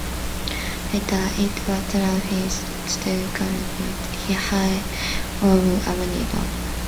Later it was transferred to Charles Hide of Abingdon.